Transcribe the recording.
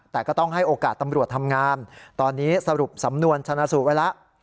แต่ก็ต้องให้โอกาสตำรวจทำงานตอนนี้สรุปสำนวนชนะสูตรไว้แล้ว